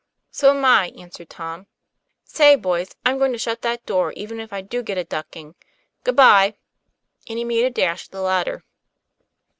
;< So'm I," answered Tom. " Say, boys, I'm going to shut that door, even if I do get a ducking. Good by." And he made a dash at the ladder.